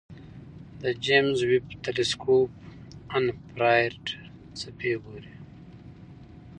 د جیمز ویب تلسکوپ انفراریډ څپې ګوري.